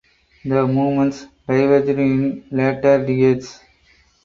The movements diverged in later decades.